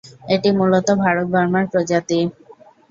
এটি মূলত ভারত-বার্মার প্রজাতি।